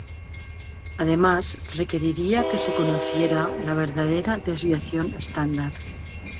Además requeriría que se conociera la verdadera desviación estándar.